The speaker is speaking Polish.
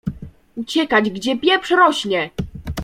Uciekać, gdzie pieprz rośnie!